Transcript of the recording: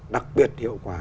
đặc biệt hiệu quả